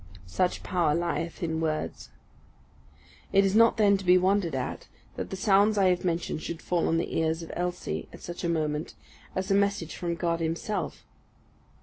Such power lieth in words. It is not then to be wondered at, that the sounds I have mentioned should fall on the ears of Elsie, at such a moment, as a message from God Himself.